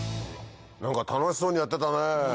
何か楽しそうにやってたね。